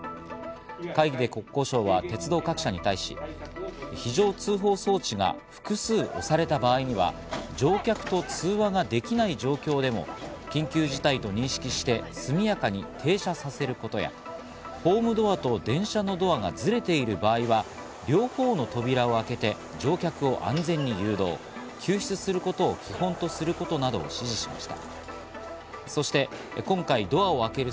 会議で国交省は鉄道各社に対し、非常通報装置が複数を押された場合には、乗客と通話ができない状況でも緊急事態と認識して、速やかに停車させることや、ホームドアと電車のドアがずれている場合は両方の扉を開けて乗客を安全に誘導、救出することを基本とすることなどを指示しました。